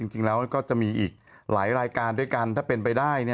จริงแล้วก็จะมีอีกหลายรายการด้วยกันถ้าเป็นไปได้